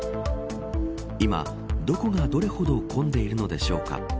今、どこがどれほど混んでいるのでしょうか。